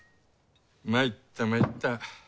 まいったまいった。